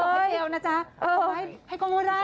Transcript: ไม่ได้ส่งให้เบลนะจ๊ะให้ก้องเฮ้ยไร่